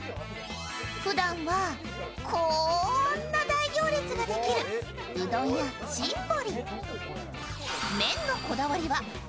ふだんは、こーんな大行列ができるうどん屋新堀。